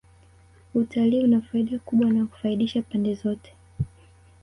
Utalii una faida kubwa na hufaidisha pande zote